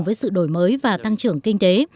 với sự đổi mới và tăng trưởng kinh tế